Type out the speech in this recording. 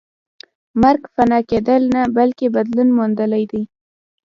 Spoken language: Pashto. مرګ فنا کېدل نه بلکې بدلون موندل دي